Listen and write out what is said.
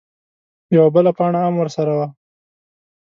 _يوه بله پاڼه ام ورسره وه.